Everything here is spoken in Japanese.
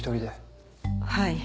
はい。